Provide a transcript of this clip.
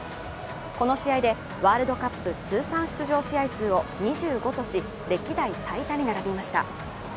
この試合でワールドカップ通算出場試合数を２５とし歴代最多に並びました。